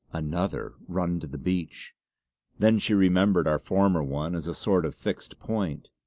"Another" run to the beach! then she remembered our former one as a sort of fixed point.